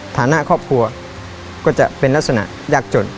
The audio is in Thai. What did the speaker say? ฐานะครอบครัวก็จะเป็นลักษณะยากจน